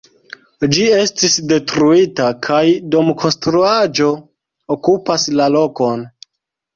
Ĝi estis detruita kaj domkonstruaĵo okupas la lokon.